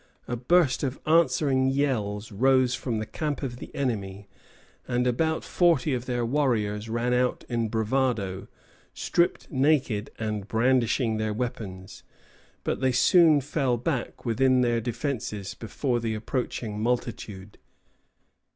A burst of answering yells rose from the camp of the enemy, and about forty of their warriors ran out in bravado, stripped naked and brandishing their weapons; but they soon fell back within their defences before the approaching multitude.